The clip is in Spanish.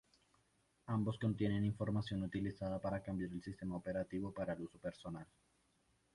Ambos contienen información utilizada para cambiar el sistema operativo para el uso personal.